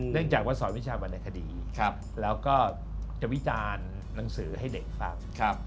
จากว่าสอนวิชามาในคดีแล้วก็จะวิจารณ์หนังสือให้เด็กฟัง